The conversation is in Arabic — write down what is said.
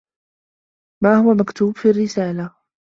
ما هو مكتوب في الرّسالة؟